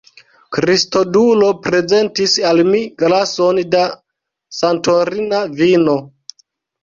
Kristodulo prezentis al mi glason da Santorina vino.